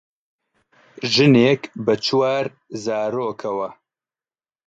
ژنێکە بە چوار زارۆکەوە